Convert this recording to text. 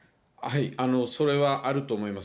それはあると思います。